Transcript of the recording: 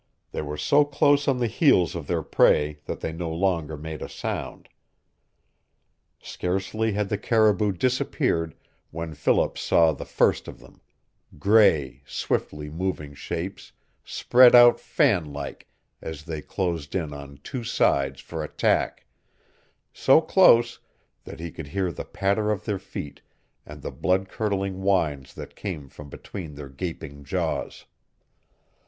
They were so close on the heels of their prey that they no longer made a sound. Scarcely had the caribou disappeared when Philip saw the first of them gray, swiftly moving shapes, spread out fan like as they closed in on two sides for attack, so close that he could hear the patter of their feet and the blood curdling whines that came from between their gaping jaws.